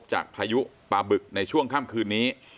พายุปลาบึกในช่วงค่ำคืนนี้